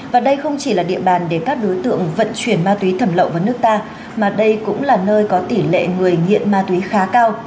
và đây không chỉ là địa bàn để các đối tượng vận chuyển ma túy thẩm lậu vào nước ta mà đây cũng là nơi có tỷ lệ người nghiện ma túy khá cao